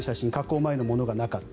前のものがなかった。